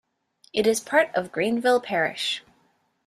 It is part of Greenville Parish.